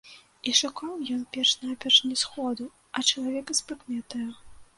І шукаў ён перш-наперш не сходу, а чалавека з прыкметаю.